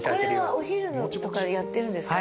これはお昼とかやってるんですか？